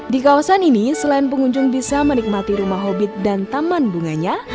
di kawasan ini selain pengunjung bisa menikmati rumah hobit dan taman bunganya